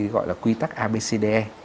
gọi là quy tắc abcd